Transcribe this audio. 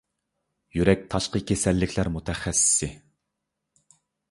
يۈرەك تاشقى كېسەللىكلەر مۇتەخەسسىسى